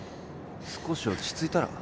少し落ち着いたら？